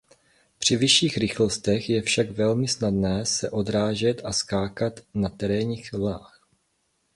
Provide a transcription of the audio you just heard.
Při vyšších rychlostech je však velmi snadné se odrážet a skákat na terénních vlnách.